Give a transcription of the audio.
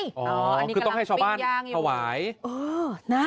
อ๋ออันนี้กำลังปิ้นย่างอยู่คือต้องให้ชาวบ้านถวายเออนะ